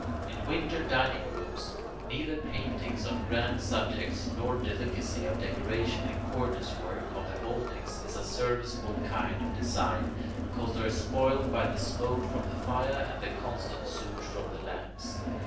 In winter dining rooms, neither paintings on grand subjects nor delicacy of decoration in the cornice work of the vaultings is a serviceable kind of design, because they are spoiled by the smoke from the fire and the constant soot from the lamps.